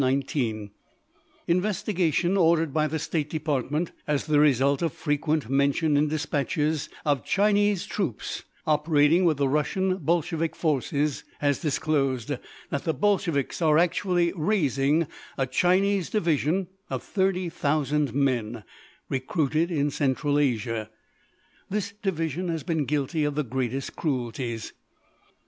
"_Investigation ordered by the State Department as the result of frequent mention in despatches of Chinese troops operating with the Russian Bolsheviki forces has disclosed that the Bolsheviki are actually raising a Chinese division of 30,000 men recruited in Central Asia. This division has been guilty of the greatest cruelties.